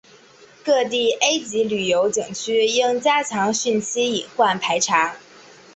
各地 A 级旅游景区应加强汛期隐患排查